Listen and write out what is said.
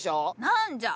何じゃ！